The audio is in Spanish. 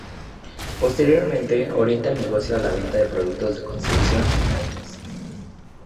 Posteriormente, orientan el negocio a la venta de productos de construcción y muebles.